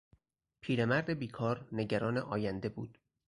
پیرمرد بیکار نگران آینده بود.